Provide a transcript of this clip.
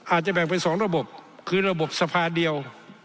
อาจจะแบ่งเป็น๒ระบบคือระบบสภาเดียว